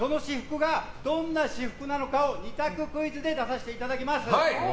どんな私服なのかを２択クイズで出させていただきます。